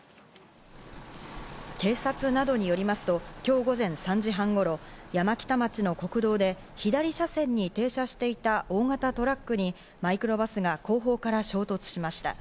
警察などによりますと今日午前３時半頃、山北町の国道で、左車線に停車していた大型トラックにマイクロバスが後方から衝突しました。